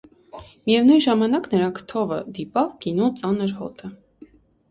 Միևնույն ժամանակ նրա քթովը դիպավ գինու ծանր հոտը: